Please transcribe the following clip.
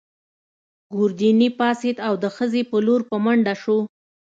ګوردیني پاڅېد او د خزې په لور په منډه شو.